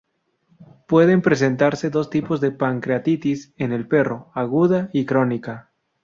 Pueden presentarse dos tipos de pancreatitis en el perro: aguda y crónica.